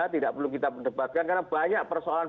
tidak perlu kita perdebatkan karena banyak persoalan